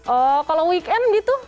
oh kalau weekend gitu